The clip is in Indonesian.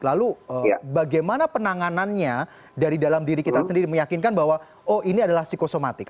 lalu bagaimana penanganannya dari dalam diri kita sendiri meyakinkan bahwa oh ini adalah psikosomatik